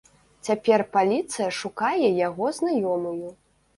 Цяпер паліцыя шукае яго знаёмую.